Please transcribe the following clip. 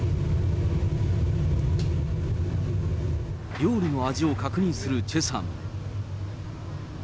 料理の味を確認するチェさん。